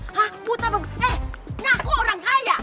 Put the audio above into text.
hah putar apa eh nah kok orang kaya